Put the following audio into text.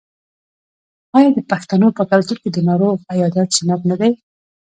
آیا د پښتنو په کلتور کې د ناروغ عیادت سنت نه دی؟